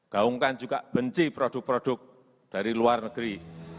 gaungkan juga benci produk produk dari luar negeri